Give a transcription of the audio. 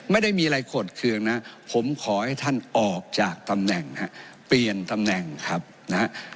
ไม่ได้มีอะไรขดเคืองนะผมขอให้ท่านออกจากตำแหน่งฮะเปลี่ยนตำแหน่งครับนะฮะ